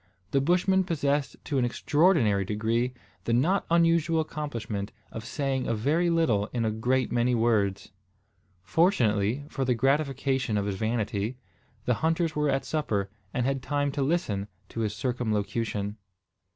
The Bushman possessed to an extraordinary degree the not unusual accomplishment of saying a very little in a great many words. Fortunately, for the gratification of his vanity, the hunters were at supper, and had time to listen to his circumlocution.